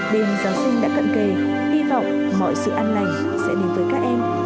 đêm giáng sinh đã cận kề hy vọng mọi sự an lành sẽ đến với các em